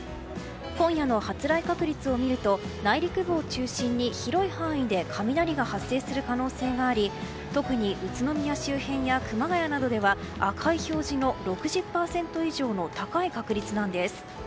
今夜の発雷確率を見ると内陸部を中心に広い範囲で雷が発生する可能性があり特に、宇都宮周辺や熊谷などでは赤い表示の、６０％以上の高い確率なんです。